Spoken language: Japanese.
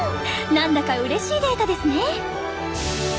何だかうれしいデータですね！